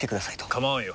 構わんよ。